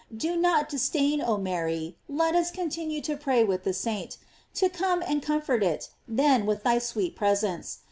J Do not disdain, oh Mary, let us con tinue to pray with the saint, to come and com fort it, then, with thy sweet presence.